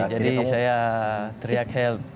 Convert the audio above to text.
jadi saya teriak help